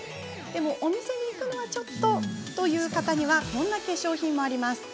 お店に行くのはちょっとという方には、こんな化粧品も。